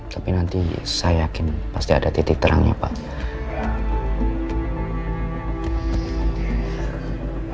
tapi nanti saya yakin pasti ada titik terangnya pak